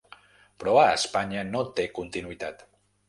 Però a Espanya no té continuïtat.